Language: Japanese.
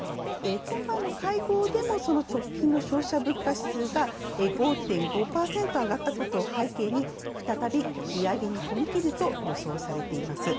今晩の会合でも直近の消費者物価指数が５．５％上がったことを背景に再び利上げに踏み切ると予想されています。